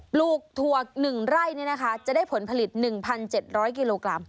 ลูกถั่ว๑ไร่จะได้ผลผลิต๑๗๐๐กิโลกรัม